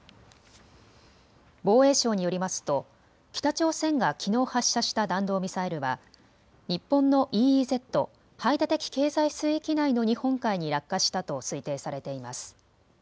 防衛省によりますと北朝鮮がきのう発射した弾道ミサイルは日本のＥＥＺ・排他的経済水域内の日本海に落下したと推定されています。